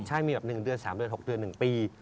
ใช่มีแบบ๑เดือน๓เดือน๖เดือน๑ปี